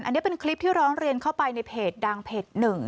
อันนี้เป็นคลิปที่ร้องเรียนเข้าไปในเพจดังเพจหนึ่ง